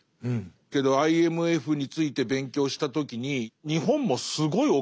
けどＩＭＦについて勉強した時に日本もすごいお金を出していると。